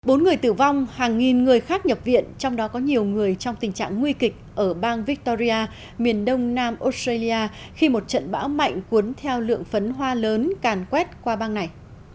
bốn người tử vong hàng nghìn người khác nhập viện trong đó có nhiều người trong tình trạng nguy kịch ở bang victoria miền đông nam australia khi một trận bão mạnh cuốn theo lượng phấn hoa lớn càn quét qua bang này